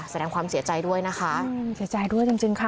แสดงความเสียใจด้วยนะคะ